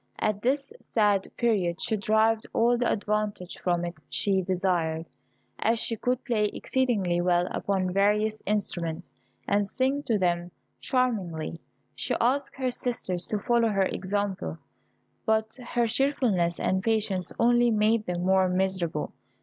At this sad period she derived all the advantage from it she desired. As she could play exceedingly well upon various instruments, and sing to them charmingly, she asked her sisters to follow her example, but her cheerfulness and patience only made them more miserable.